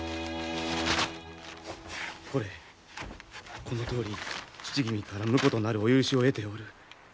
これこのとおり父君から婿となるお許しを得ておる。